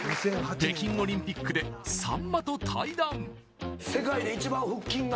北京オリンピックでさんまと対談。